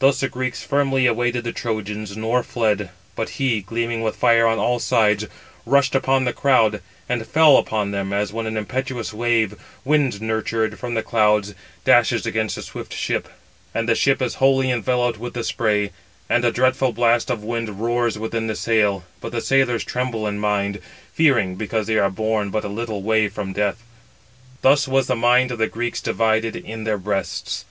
Thus the Greeks firmly awaited the Trojans, nor fled. But he, gleaming with fire on all sides, rushed upon the crowd; and fell upon them, as when an impetuous wave, wind nurtured from the clouds, dashes against a swift ship, and it [the ship] is wholly enveloped with the spray, and a dreadful blast of wind roars within the sail: but the sailors tremble in mind, fearing, because they are borne but a little way from death: thus was the mind of the Greeks divided in their breasts.